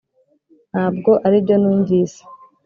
ntabwo aribyo numvise